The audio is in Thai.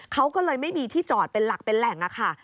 เขาก็เลยไม่มีที่จอดเป็นหลักเป็นแหล่งค่ะ